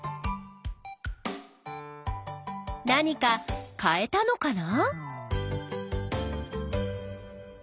何か変えたのかな？